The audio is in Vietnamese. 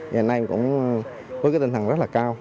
vì anh em cũng có cái tinh thần rất là cao